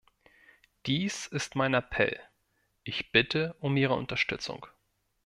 Dies ist mein Appell, ich bitte um Ihre Unterstützung.